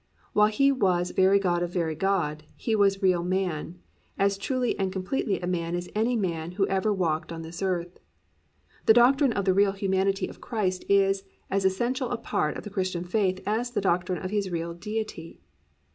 While He was very God of very God, He was real man, as truly and completely a man as any man who ever walked on this earth. The doctrine of the real humanity of Christ is as essential a part of the Christian faith as the doctrine of His real Deity.